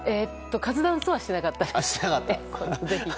カズダンスはしていなかったです。